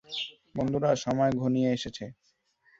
বন্ধুরা, সময় ঘনিয়ে এসেছে।